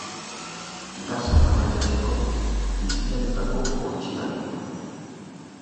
Gasa garraiatzeko diseinatutako ontziak dira.